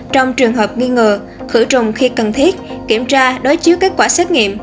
trong trường hợp nghi ngờ khử trùng khi cần thiết kiểm tra đối chiếu kết quả xét nghiệm